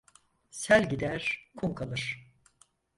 Sel gider kum kalır.